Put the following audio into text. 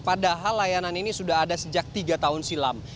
padahal layanan ini sudah ada sejak tiga tahun silam